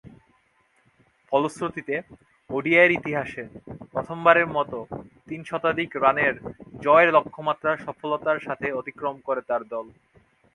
ফলশ্রুতিতে, ওডিআইয়ের ইতিহাসে প্রথমবারের মতো তিন শতাধিক রানের জয়ের লক্ষ্যমাত্রা সফলতার সাথে অতিক্রম করে তার দল।